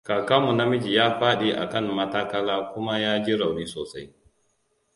Kakan mu na miji ya faɗi a kan matakala kuma ya ji rauni sosai.